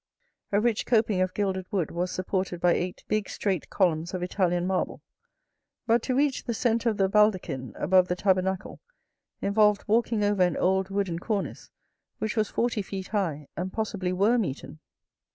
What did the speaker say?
A rich coping of gilded wood was supported by eight big straight columns of Italian marble, but to reach the centre of the baldachin above the tabernacle involved walking over an old wooden cornice which was forty feet high and possibly worm eaten.